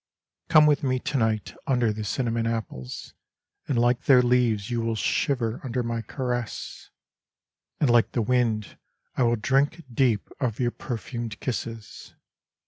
Come with me to night under the cinnamon apples And like their leaves you will shiver under my caress, And like the wind I will drink deep of your perfumed kisses.